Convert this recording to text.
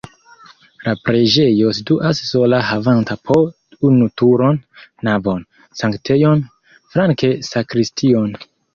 La preĝejo situas sola havanta po unu turon, navon, sanktejon, flanke sakristion.